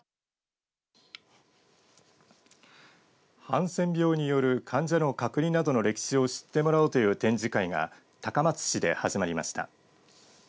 ハンセン病による患者の隔離などの歴史を知ってもらおうという展示会が高松市で始まりました。